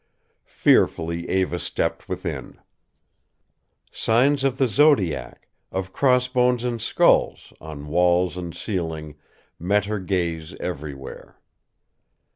Fearfully Eva stepped within. Signs of the zodiac, of cross bones and skulls, on walls and ceiling met her gaze everywhere.